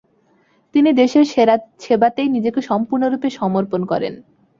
তিনি দেশের সেবাতেই নিজেকে সম্পূর্ণরূপে সমর্পণ করেন।